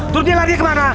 turun dia lari kemana